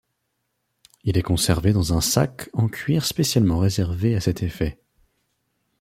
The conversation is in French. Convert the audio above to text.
Il est conservé dans un sac en cuir spécialement réservé à cet effet.